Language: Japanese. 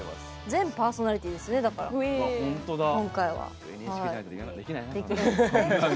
全員パーソナリティーですね今回は。